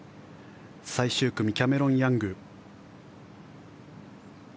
最終組、キャメロン・ヤング。